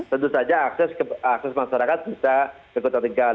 tentu saja akses masyarakat bisa ke kota tegal